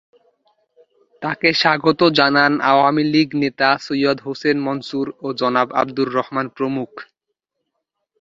তাঁকে স্বাগত জানান আওয়ামীলীগ নেতা সৈয়দ হোসেন মনসুর ও জনাব আব্দুর রহমান প্রমুখ।